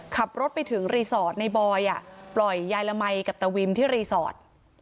ขับรถไปถึงรีสอร์ทในบอยปล่อยยายละมัยกับตะวิมที่รีสอร์ท